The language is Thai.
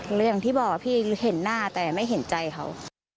อย่างที่บอกพี่เห็นหน้าแต่ไม่เห็นใจเขา